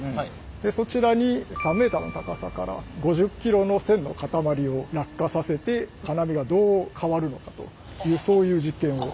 でそちらに３ｍの高さから５０ｋｇの線の塊を落下させて金網がどう変わるのかというそういう実験を。